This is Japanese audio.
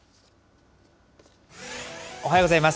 おはようございます。